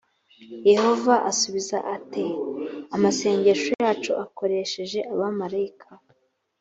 yehova asubiza ate amasengesho yacu akoresheje abamarayika